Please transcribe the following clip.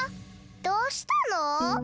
どうしたの？